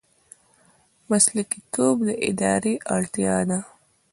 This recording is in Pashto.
مسلکي توب د ادارې اړتیا ده